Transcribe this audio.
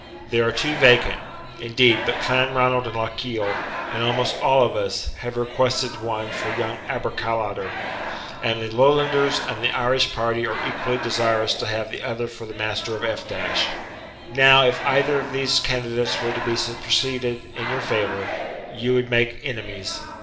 There are two vacant, indeed, but Clanronald and Lochiel, and almost all of us, have requested one for young Aberchallader, and the Lowlanders and the Irish party are equally desirous to have the other for the master of F . Now, if either of these candidates were to be superseded in your favour, you would make enemies.